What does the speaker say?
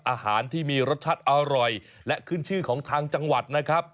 อาหารที่มีรสชาติอร่อยและขึ้นชื่อของทางจังหวัดนะครับ